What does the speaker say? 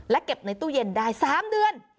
เก็บในตู้เย็นได้๓เดือน